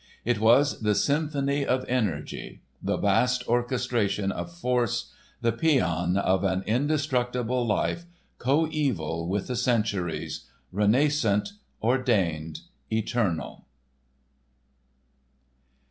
It was the symphony of energy, the vast orchestration of force, the pæan of an indestructible life, coeval with the centuries, renascent, ordained, eternal.